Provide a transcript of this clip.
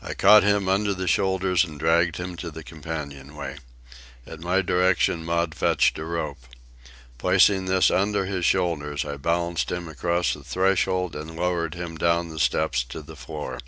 I caught him under the shoulders and dragged him to the companion way. At my direction Maud fetched a rope. Placing this under his shoulders, I balanced him across the threshold and lowered him down the steps to the floor.